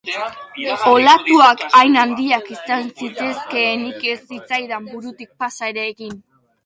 Olatuak hain handiak izan zitezkeenik ez zitzaidan burutik pasa ere egingo.